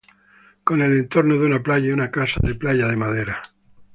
Con el entorno de una playa y una casa de playa de madera.